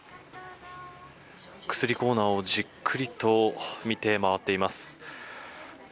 薬コーナーをじっくりと見て回っています。